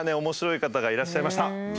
面白い方がいらっしゃいました。